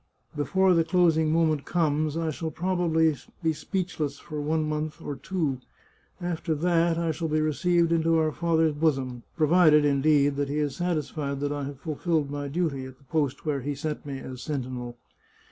" Before the closing moment comes I shall probably be speechless for one month or two. After that I shall be re ceived into our Father's bosom, provided, indeed, that he is satisfied that I have fulfilled my duty at the post where he set me as sentinel.